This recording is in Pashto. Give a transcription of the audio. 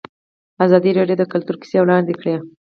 ازادي راډیو د کلتور کیسې وړاندې کړي.